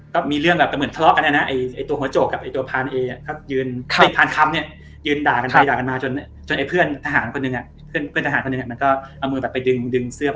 ในเรื่องผ่านคำยืนด่ากันไปจนเพื่อนทหารคนหนึ่งก็จะดึงเสื้อ